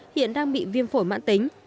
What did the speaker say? hiện đang bị viêm phổi mạng tính